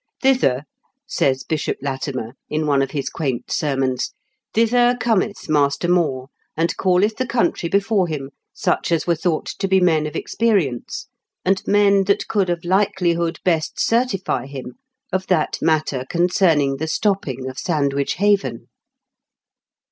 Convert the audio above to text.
"Thither," says Bishop Latimer, in one of his quaint sermons, " thither cometh Master More, and calleth the country before him, such as were thought to be men of experience, and men that could of likelihood best certify him of that matter concerning the stopping of Sandwich haven.